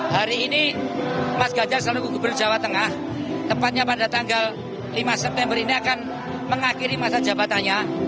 hari ini mas ganjar selalu gubernur jawa tengah tepatnya pada tanggal lima september ini akan mengakhiri masa jabatannya